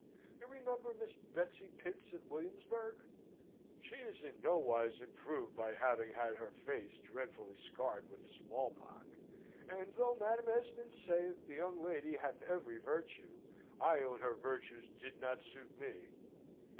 You remember Miss Betsy Pitts at Williamsburgh? She is in no wise improved by having had her face dreadfully scarred with small pock, and though Madam Esmond saith the young lady hath every virtue, I own her virtues did not suit me.